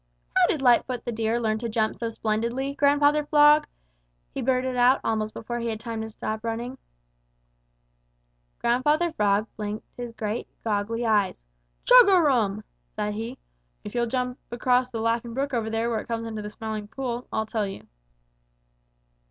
"How did Lightfoot the Deer learn to jump so splendidly, Grandfather Frog?" he blurted out almost before he had stopped running. Grandfather Frog blinked his great, goggly eyes. "Chug a rum!" said he. "If you'll jump across the Laughing Brook over there where it comes into the Smiling Pool, I'll tell you."